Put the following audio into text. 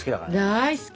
大好き。